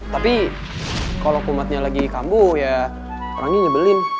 tapi kalau kumatnya lagi kambuh ya orangnya nyebelin